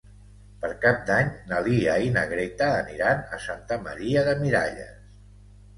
Per Cap d'Any na Lia i na Greta aniran a Santa Maria de Miralles.